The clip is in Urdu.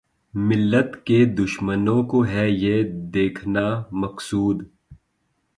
ملت کے دشمنوں کو ھے یہ دیکھنا مقصود